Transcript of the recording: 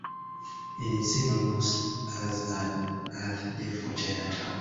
It is seen almost as an Earth Day for Chinatown.